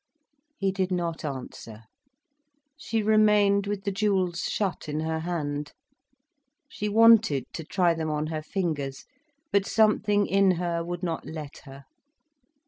He did not answer. She remained with the jewels shut in her hand. She wanted to try them on her fingers, but something in her would not let her.